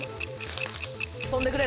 「飛んでくれ！